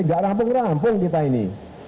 kita gak rampung rampung kita ini